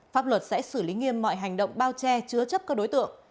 pháp luật sẽ xử lý nghiêm mọi hành động bao che chứa chấp các đối tượng